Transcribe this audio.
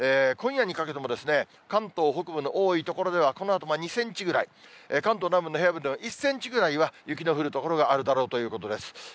今夜にかけても、関東北部の多い所では、このあと２センチぐらい、関東南部の平野部では１センチぐらいは雪の降る所があるだろうということです。